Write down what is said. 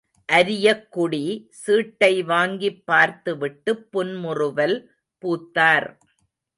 அரியக்குடி சீட்டை வாங்கிப் பார்த்து விட்டுப் புன்முறுவல் பூத்தார்.